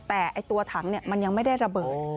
แต่ตัวถังมันยังไม่ได้ระเบิด